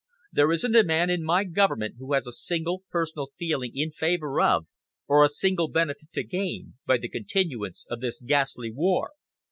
"There isn't a man in my Government who has a single personal feeling in favour of, or a single benefit to gain, by the continuance of this ghastly war.